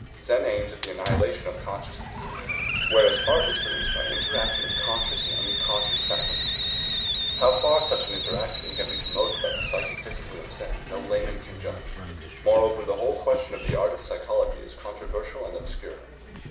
Zen aims at the annihilation of consciousness, whereas art is produced by an interaction of conscious and unconscious faculties. How far such an interaction can be promoted by the psychic discipline of Zen no layman can judge; moreover the whole question of the artist's psychology is controversial and obscure.